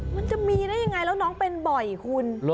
มันจะมีได้ยังไงแล้วน้องเป็นบ่อยคุณ